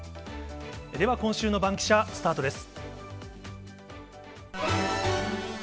では今週のバンキシャ、スタートです。